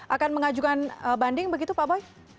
akan mengajukan banding begitu pak boy